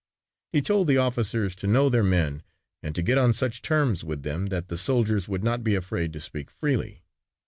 He told the officers to know their men and to get on such terms with them that the soldiers would not be afraid to speak freely.